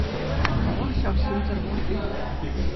Тавах, ҫав сӗмсӗр вӑхӑт иртрӗ.